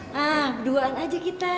nah berduaan aja kita